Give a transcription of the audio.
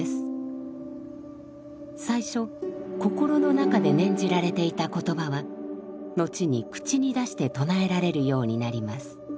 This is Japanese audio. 最初心の中で念じられていた言葉は後に口に出して唱えられるようになります。